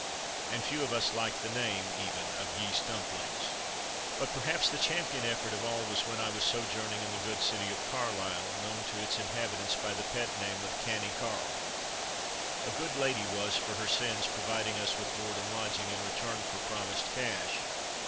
And few of us liked the name, even, of yeast dumplings. But perhaps the champion effort of all was when I was sojourning in the good city of Carlisle known to its inhabitants by the pet name of "Cannie Carle." A good lady was, for her sins, providing us with board and lodging, in return for (promised) cash.